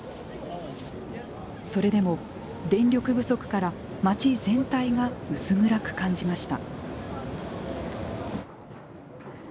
それでも、電力不足から街全体が薄暗く感じました。